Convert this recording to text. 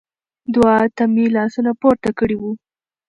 دعا ته مې لاسونه پورته کړي وو.